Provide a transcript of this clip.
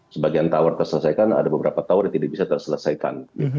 sebagian tower terselesaikan ada beberapa tower yang tidak bisa terselesaikan